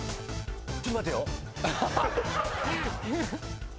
ちょっと待てよ。